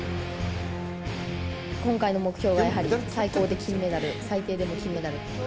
今回の目標はやはり、最高で金メダル、最低でも金メダル。